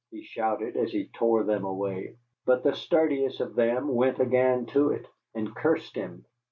he shouted, as he tore them away. But the sturdiest of them went again to it, and cursed him.